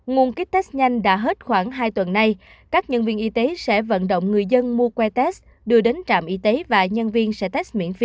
nguồn kích test nhanh đã hết khoảng hai tuần nay các nhân viên y tế sẽ vận động người dân mua que test đưa đến trạm y tế và nhân viên sở test miễn phí